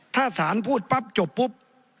ถ้าสารพูดปั๊บจบปุ๊บ